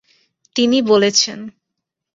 তিনি বলেছেন